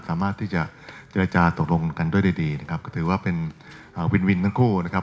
สามารถที่จะเจรจาตกลงกันด้วยดีนะครับก็ถือว่าเป็นอ่าวินวินทั้งคู่นะครับ